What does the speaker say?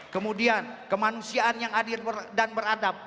kemudian kemanusiaan yang adil dan beradab